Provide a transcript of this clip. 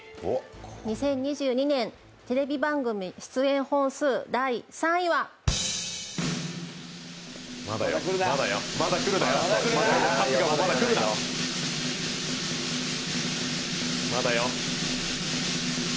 ２０２２年テレビ番組出演本数第３位はまだよ、まだ来るなよ。